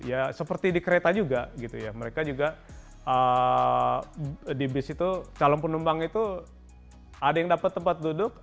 ya seperti di kereta juga gitu ya mereka juga di bis itu calon penumpang itu ada yang dapat tempat duduk